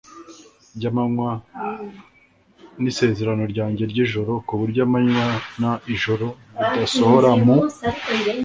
ry amanywa n isezerano ryanjye ry ijoro ku buryo amanywa n ijoro bidasohora mu